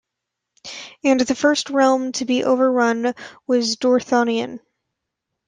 And the first realm to be overrun was Dorthonion.